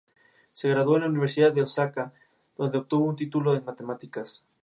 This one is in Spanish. Se graduó en la Universidad de Osaka donde obtuvo un título en Matemáticas.